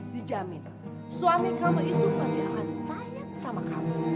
dijamin suami kamu itu masih akan sayang sama kamu